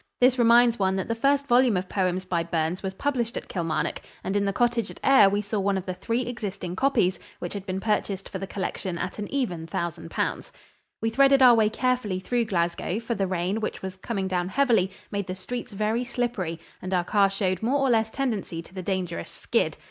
This reminds one that the first volume of poems by Burns was published at Kilmarnock, and in the cottage at Ayr we saw one of the three existing copies, which had been purchased for the collection at an even thousand pounds. We threaded our way carefully through Glasgow, for the rain, which was coming down heavily, made the streets very slippery, and our car showed more or less tendency to the dangerous "skid."